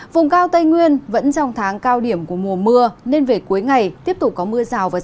vùng cao tây nguyên vẫn trong tháng cao điểm của mùa mưa nên về cuối ngày tiếp tục có mưa rào và rông